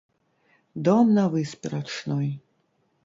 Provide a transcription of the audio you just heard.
Дом на выспе рачной.